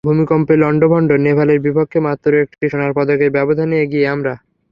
ভূমিকম্পে লন্ডভন্ড নেপালের বিপক্ষে মাত্র একটি সোনার পদকের ব্যবধানে এগিয়ে আমরা।